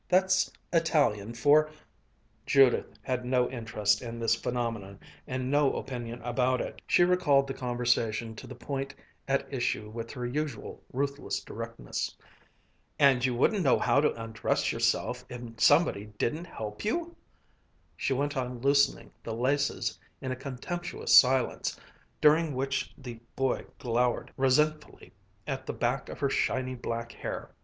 That's Italian for " Judith had no interest in this phenomenon and no opinion about it. She recalled the conversation to the point at issue with her usual ruthless directness. "And you wouldn't know how to undress yourself if somebody didn't help you!" She went on loosening the laces in a contemptuous silence, during which the boy glowered resentfully at the back of her shining black hair.